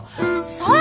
そう？